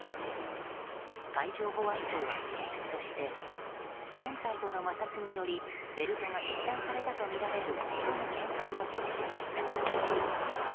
海上保安庁は原因として船体との摩擦によりベルトが切断されたとみられるとの見解を示しました。